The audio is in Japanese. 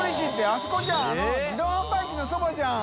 あの自動販売機のそばじゃん。